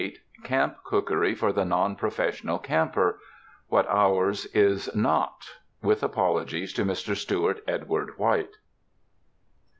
279 CAMP COOKERY FOR THE NON PROFESSIONAL CAMPER I. What Ours Is Not (With Apologies to Mr. Stewart Edward White.)